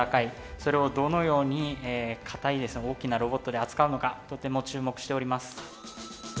それをどのように堅い大きなロボットで扱うのかとても注目しております。